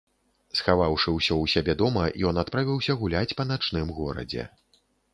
Схаваўшы ўсё ў сябе дома, ён адправіўся гуляць па начным горадзе.